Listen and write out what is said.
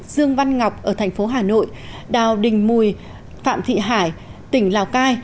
dương văn ngọc ở thành phố hà nội đào đình mùi phạm thị hải tỉnh lào cai